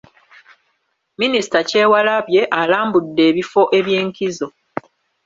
Minisita Kyewalabye alambudde ebifo eby’enkizo.